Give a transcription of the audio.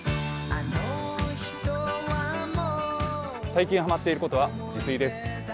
最近ハマッていることは自炊です。